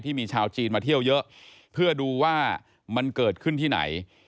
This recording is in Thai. ชาวจีนมาเที่ยวเยอะเพื่อดูว่ามันเกิดขึ้นที่ไหน